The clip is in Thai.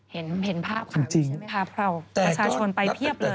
เห็นภาพค่ะภาพเราประชาชนไปเพียบเลย